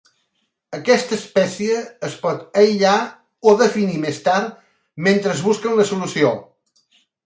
Aquesta espècie es pot aïllar o definir més tard mentre es busca una solució.